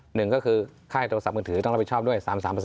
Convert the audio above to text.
หนึ่งก็คือค่ายโทรศัพท์มือถือต้องรับผิดชอบด้วย๓๓